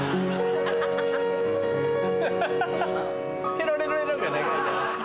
テロレロレロじゃない。